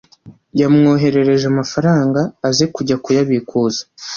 yamwoherereje amafaranga aze kujya kuyabikuza